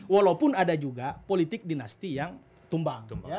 walaupun ada juga politik dinasti yang tumbang